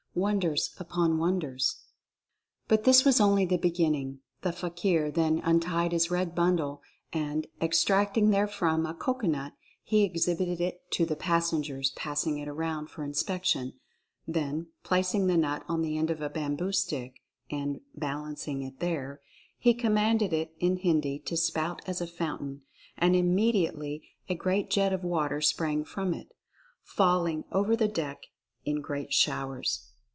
WONDERS UPON WONDERS. But this was only the beginning. The fakir then untied his red bundle, and, extracting therefrom a cocoanut, he exhibited it to the passengers, passing it around for inspection. Then, placing the nut on the end of a bamboo stick, and, balancing it there, he com Oriental Fascination 163 manded it in Hindi to spout as a fountain, and imme diately a great jet of water sprang from it, falling over the deck in great showers.